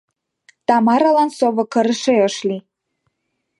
Тамаралан сово кырыше ыш лий.